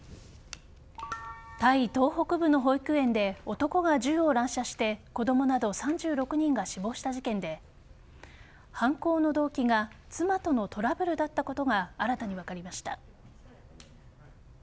タイ東北部の保育園で男が銃を乱射して子供など３６人が死亡した事件で犯行の動機が妻とのトラブルだったことが新たに分かりました。